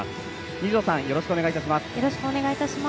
二條さん、よろしくお願いします。